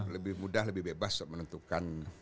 lebih mudah lebih bebas menentukan